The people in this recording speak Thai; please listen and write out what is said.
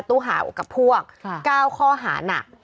ตู้เห่ากับพวก๙ข้อหานัก